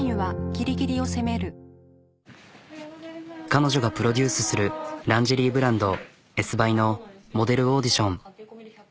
彼女がプロデュースするランジェリーブランドＥＳＳｂｙのモデルオーディション。